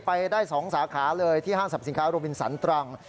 ไปได้๒สาขาเลยที่ห้างสรรพสินค้าโรบินสันตรัง